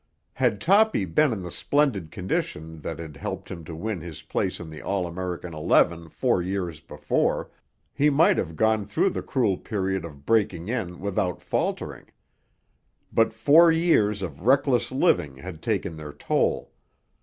Had Toppy been in the splendid condition that had helped him to win his place on the All American eleven four years before, he might have gone through the cruel period of breaking in without faltering. But four years of reckless living had taken their toll.